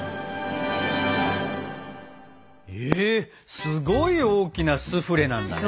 えすごい大きなスフレなんだね！